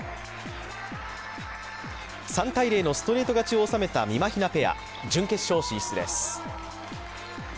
３−０のストレート勝ちを収めたみまひなペア、準決勝進出です。